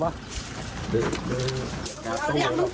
พ่อขอบคุณครับ